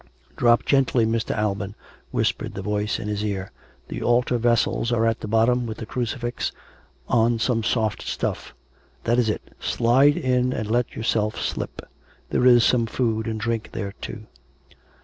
" Drop gently, Mr. Alban," whispered the voice in his ear. " The altar vessels are at the bottom, with the cru cifix, on some soft stuff. ... That is it. Slide in and let yourself slip. There is some food and drink there, too."